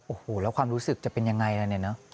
โอ้โหแล้วความรู้สึกจะเป็นยังไงล่ะเนี่ยเนอะ